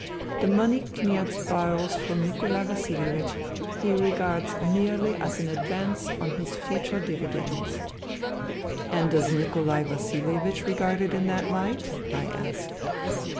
The money Kniaz borrows from Nikolai Vasilievich he regards merely as an advance on his future dividends." " And does Nikolai Vasilievich regard it in that hght ?" I asked.